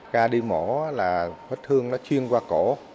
ca đi mổ là vết thương nó chiên qua cổ